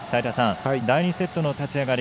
第２セットの立ち上がり